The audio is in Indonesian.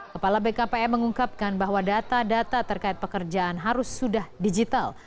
kepala bkpm mengungkapkan bahwa data data terkait pekerjaan harus sudah digital